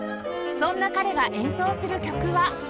そんな彼が演奏する曲は